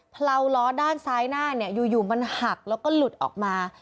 เลาล้อด้านซ้ายหน้าอยู่มันหักแล้วก็หลุดออกมา